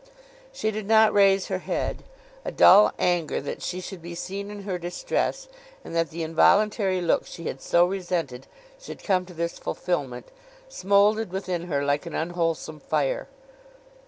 She did not raise her head. A dull anger that she should be seen in her distress, and that the involuntary look she had so resented should come to this fulfilment, smouldered within her like an unwholesome fire.